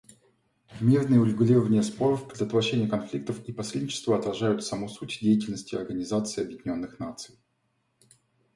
Мирное урегулирование споров, предотвращение конфликтов и посредничество отражают саму суть деятельности Организации Объединенных Наций.